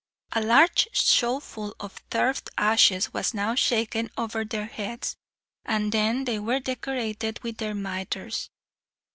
A large shovelful of turf ashes was now shaken over their heads, and then they were decorated with their mitres.